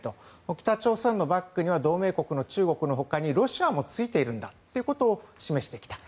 北朝鮮のバックには同盟国の中国のほかにロシアもついているんだと示してきた。